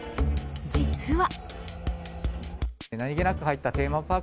実は。